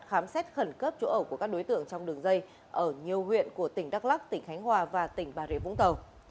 khám xét khẩn cấp chỗ ở của các đối tượng trong đường dây ở nhiều huyện của tỉnh đắk lắc tỉnh khánh hòa và tỉnh bà rịa vũng tàu